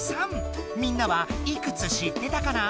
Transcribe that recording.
みんなはいくつ知ってたかな？